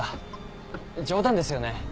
冗談ですよね？